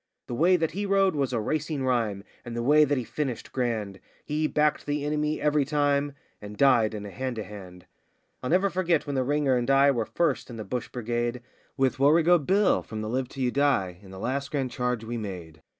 The way that he rode was a racing rhyme, and the way that he finished grand; He backed the enemy every time, and died in a hand to hand! I'll never forget when the ringer and I were first in the Bush Brigade, With Warrego Bill, from the Live till you Die, in the last grand charge we made.